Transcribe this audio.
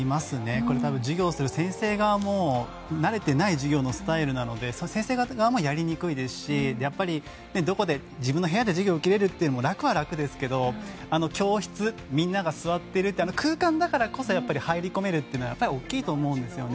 これは多分授業する先生側も慣れていない授業のスタイルなので先生たち側もやりにくいですしやっぱり、自分の部屋で授業を受けられるのは楽は楽ですけど、教室にみんなが座っているという空間だからこそ入り込めるというのは大きいと思うんですよね。